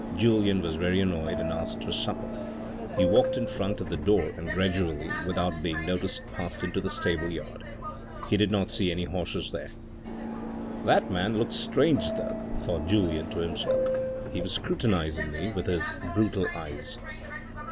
Julien was very annoyed and asked for supper. He walked in front of the door and gradually without being noticed passed into the stable yard. He did not see any horses there. "That man looked strange though," thought Julien to himself. " He was scrutinizing me with his brutal eyes."